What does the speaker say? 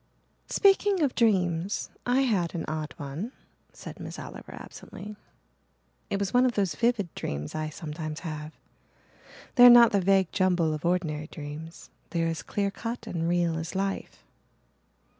"Speaking of dreams I had an odd one," said Miss Oliver absently. "It was one of those vivid dreams I sometimes have they are not the vague jumble of ordinary dreams they are as clear cut and real as life."